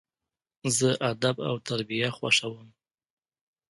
زه ادب او تربیه خوښوم.